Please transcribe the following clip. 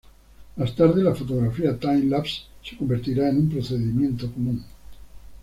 Más tarde, la fotografía time-lapse se convertiría en un procedimiento común.